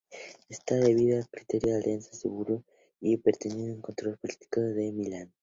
Esta debía cimentar la alianza serbo-austrohúngara y perpetuar el control político de Milan.